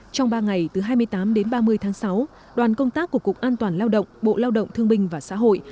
trong ba ngày từ hai mươi tám đến ba mươi tháng sáu đoàn công tác của cục an toàn lao động bộ lao động thương binh và xã hội